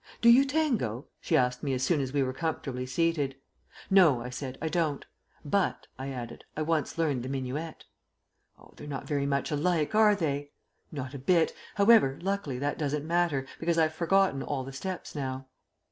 "Do you tango?" she asked me as soon as we were comfortably seated. "No," I said, "I don't. But," I added, "I once learned the minuet." "Oh, they're not very much alike, are they?" "Not a bit. However, luckily that doesn't matter, because I've forgotten all the steps now."